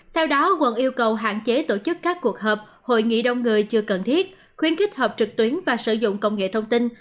theo đó quận yêu cầu hạn chế tổ chức các cuộc họp hội nghị đông người chưa cần thiết khuyến khích họp trực tuyến và sử dụng công nghệ thông tin